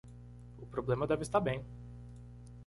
O problema deve estar bem